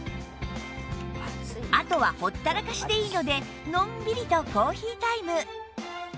あとはほったらかしでいいのでのんびりとコーヒータイム